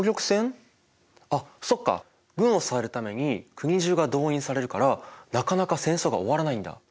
軍を支えるために国中が動員されるからなかなか戦争が終わらないんだ。